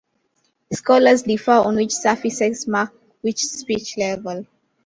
Scholars differ on which suffixes mark which speech level.